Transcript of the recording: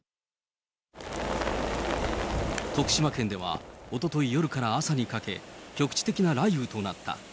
徳島県ではおととい夜から朝にかけ、局地的な雷雨となった。